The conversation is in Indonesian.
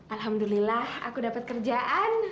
alhamdulillah aku dapat kerjaan